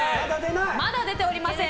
まだ出ておりません。